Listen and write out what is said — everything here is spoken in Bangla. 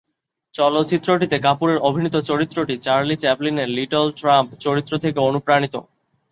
চলচ্চিত্রটিতে কাপুরের অভিনীত চরিত্রটি চার্লি চ্যাপলিনের "লিটল ট্রাম্প" চরিত্র থেকে অনুপ্রাণিত।